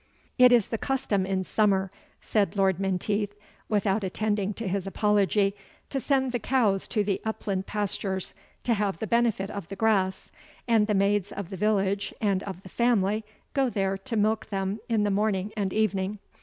"It is the custom in summer," said Lord Menteith, without attending to his apology, "to send the cows to the upland pastures to have the benefit of the grass; and the maids of the village, and of the family, go there to milk them in the morning and evening.